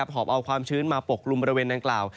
หอบเอาความชื้นมาปกลุ่มบริเวณดังกล่าว